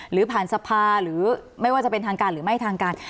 หรือผ่านสภาหรือไม่ว่าจะเป็นทางการหรือไม่ทางการ